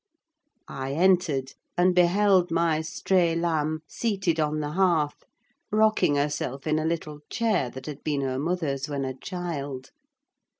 I entered, and beheld my stray lamb seated on the hearth, rocking herself in a little chair that had been her mother's when a child.